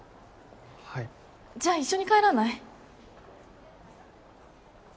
はいじゃあ一緒に帰らない？